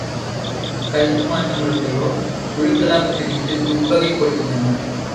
கருத்து மாற்றங்களுடையோர் குழூஉக்களாகப் பிரிந்து உட்பகை கொள்கின்றனர்.